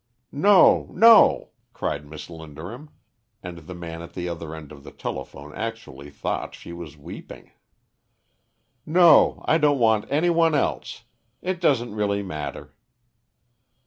"No, no!" cried Miss Linderham; and the man at the other end of the telephone actually thought she was weeping. "No, I don't want any one else. It doesn't really matter."